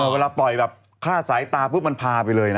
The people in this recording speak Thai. เวลาปล่อยแบบฆ่าสายตาปุ๊บมันพาไปเลยนะ